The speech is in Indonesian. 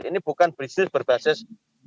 ini bukan bisnis berbasis